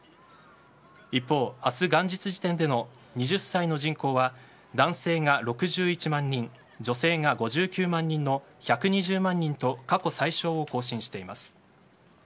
一方、明日元日時点での２０歳の人口は男性が６１万人女性が５９万人の１２０万人と過去最少を更新しています。